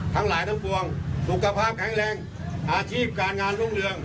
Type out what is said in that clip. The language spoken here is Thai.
ทั้งหลายทั้งปวงสุขภาพแข็งแรงอาชีพการงานรุ่งเรือง